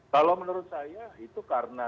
kalau menurut saya itu karena